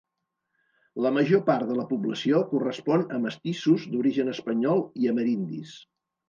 La major part de la població correspon a mestissos d'origen espanyol i amerindis.